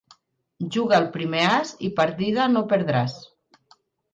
Juga el primer as i partida no perdràs.